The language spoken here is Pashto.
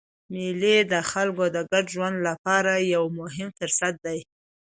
مېلې د خلکو د ګډ ژوند له پاره یو مهم فرصت دئ.